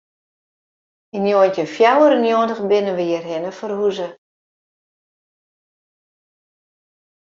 Yn njoggentjin fjouwer en njoggentich binne we hjirhinne ferhûze.